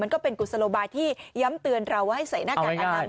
มันก็เป็นกุศลบายที่ย้ำเตือนเราว่าให้ใส่หน้าการอนามัยเอาง่าย